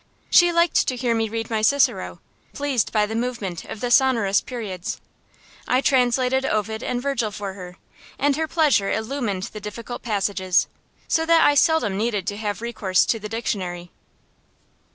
She liked to hear me read my Cicero, pleased by the movement of the sonorous periods. I translated Ovid and Virgil for her; and her pleasure illumined the difficult passages, so that I seldom needed to have recourse to the dictionary.